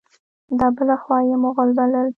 دا بله خوا یې مغل بلل.